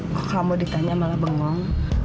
maka kamu ditanya malah bengong